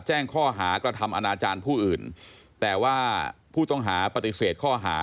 แจ้งข้อหากระทำอนาจารย์ผู้อื่นแต่ว่าผู้ต้องหาปฏิเสธข้อหา